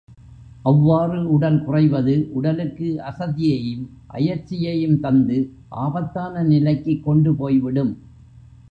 அவ்வாறு உடல் குறைவது உடலுக்கு அசதியையும் அயற்சியையும் தந்து, ஆபத்தான நிலைக்குக் கொண்டு போய்விடும்.